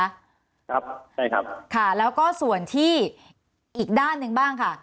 ครับใช่ครับค่ะแล้วก็ส่วนที่อีกด้านหนึ่งบ้างค่ะ